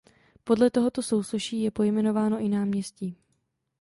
Podle tohoto sousoší je pojmenováno i náměstí.